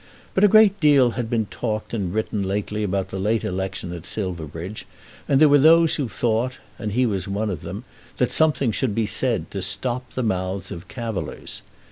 But a great deal had been talked and written lately about the late election at Silverbridge, and there were those who thought, and he was one of them, that something should be said to stop the mouths of cavillers.